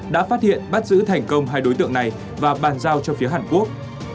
đã phát hiện bắt giữ thành công hai đối tượng này và bàn giao cho phía hàn quốc